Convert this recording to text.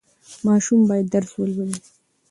ماشومان باید درس ولولي.